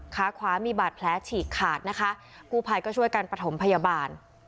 ขาขวามีบาดแผลฉีกขาดนะคะกู้ภัยก็ช่วยกันประถมพยาบาล